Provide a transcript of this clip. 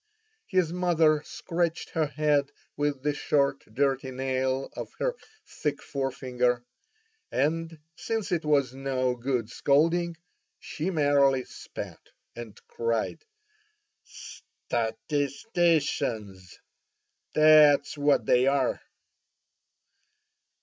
His mother scratched her head with the short dirty nail of her thick fore finger, and since it was no good scolding, she merely spat, and cried: "Statisticians! that's what they are!"